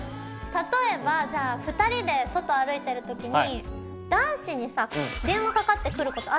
例えばじゃあ２人で外歩いてる時に男子にさ電話かかって来ることあるじゃん。